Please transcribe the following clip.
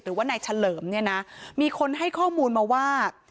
หรือว่านายเฉลิมเนี่ยนะมีคนให้ข้อมูลมาว่า